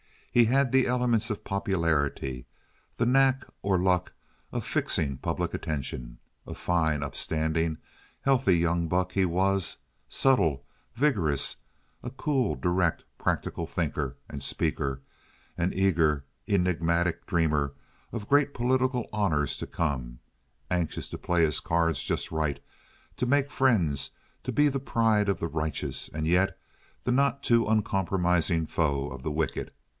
He had the elements of popularity—the knack or luck of fixing public attention. A fine, upstanding, healthy young buck he was, subtle, vigorous, a cool, direct, practical thinker and speaker, an eager enigmatic dreamer of great political honors to come, anxious to play his cards just right, to make friends, to be the pride of the righteous, and yet the not too uncompromising foe of the wicked.